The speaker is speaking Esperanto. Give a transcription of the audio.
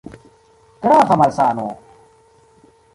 Grava malsano!